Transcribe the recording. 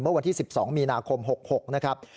เมื่อวันที่๑๒มีนาคม๑๙๖๖นะครับ